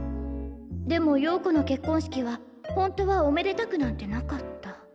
でも陽子の結婚式はホントはおめでたくなんてなかった。